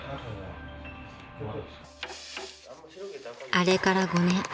［あれから５年］